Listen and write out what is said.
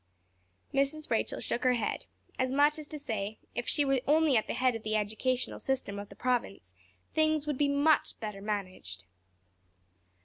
Mrs. Rachel shook her head, as much as to say if she were only at the head of the educational system of the Province things would be much better managed.